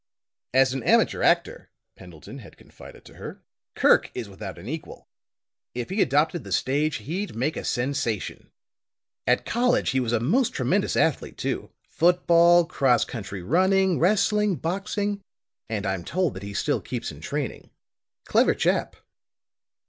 "As an amateur actor," Pendleton had confided to her, "Kirk is without an equal. If he adopted the stage, he'd make a sensation. At college he was a most tremendous athlete too football, cross country running, wrestling, boxing. And I'm told that he still keeps in training. Clever chap."